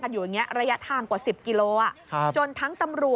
ทางทางรถกระจกกับทางทาง